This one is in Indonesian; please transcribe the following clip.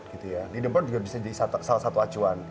leaderboard juga bisa jadi salah satu acuan